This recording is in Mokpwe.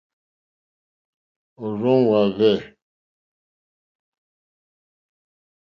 Òrzòŋwá hwɛ̂.